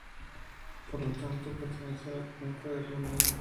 Por lo tanto, pertenece a la cuenca del río Negro.